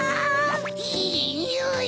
いいにおい！